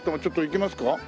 ちょっと行きますか？